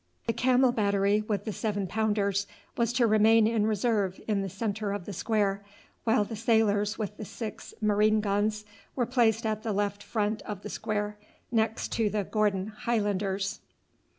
The camel battery with the seven pounders was to remain in reserve in the centre of the square, while the sailors with the six marine guns were placed at the left front of the square, next to the Gordon Highlanders.